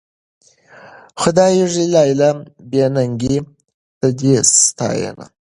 خدايږو لالیه بې ننګۍ ته دي ساتينه